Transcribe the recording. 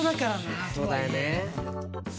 そうだよね。